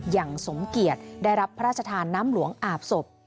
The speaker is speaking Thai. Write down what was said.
อย่างสมเกียจได้รับพระราชทานน้ำหลวงอาบศพ